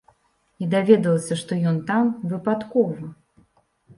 І даведалася, што ён там, выпадкова.